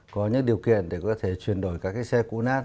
có những điều kiện để có thể chuyển đổi các xe cũ nát